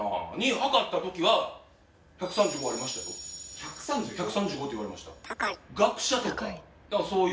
１３５？１３５って言われました。